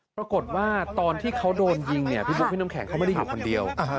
ปรากฏว่าตอนที่เขาโดนยิงพี่บุ๊คพี่น้ำแข็งเขาไม่ได้อยู่คนเดียว